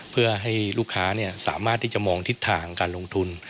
เพื่อให้ลูกค้าสามารถที่จะมองทิศทางการลงทุน